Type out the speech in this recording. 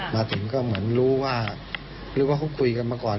มาถึงก็เหมือนรู้ว่าหรือว่าเขาคุยกันมาก่อน